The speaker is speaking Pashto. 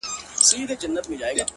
لوړ هدفونه اوږد استقامت غواړي